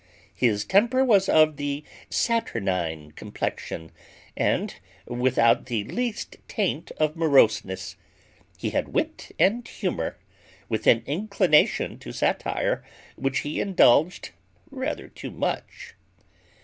His temper was of the saturnine complexion, and without the least taint of moroseness. He had wit and humour, with an inclination to satire, which he indulged rather too much.